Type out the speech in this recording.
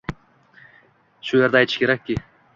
Shu yerda aytish kerakki